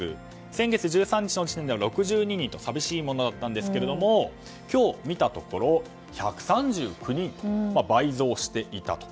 先月１３日の時点では６２人と寂しいものだったんですけれども今日見たところ１３９人に倍増していたと。